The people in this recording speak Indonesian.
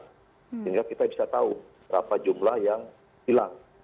sehingga kita bisa tahu berapa jumlah yang hilang